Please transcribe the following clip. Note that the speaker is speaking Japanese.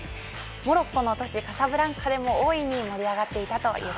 モロッコの都市カサブランカでも大いに盛り上がっていた